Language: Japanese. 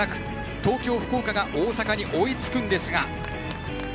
東京、福岡が大阪に追いつくんですが。